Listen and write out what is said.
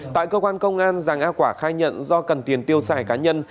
tại cơ quan công an giang á quả khai nhận do cần tiền tiêu xài cá nhân